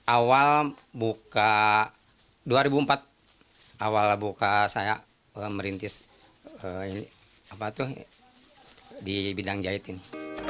awal buka dua ribu empat awal buka saya merintis di bidang jahit ini